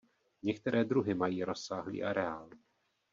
Některé druhy mají rozsáhlý areál.